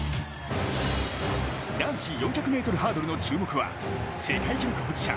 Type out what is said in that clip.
男子４００ｍハードルの注目は世界記録保持者